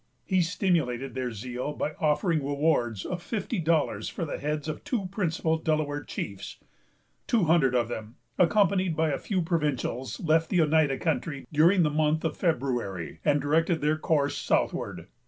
He stimulated their zeal by offering rewards of fifty dollars for the heads of the two principal Delaware chiefs. Two hundred of them, accompanied by a few provincials, left the Oneida country during the month of February, and directed their course southward.